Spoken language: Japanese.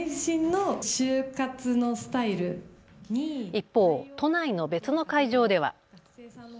一方、都内の別の会場では。